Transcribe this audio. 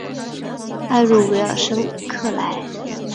埃鲁维尔圣克莱。